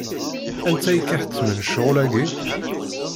Anta i k-iḥettmen ccɣel-agi?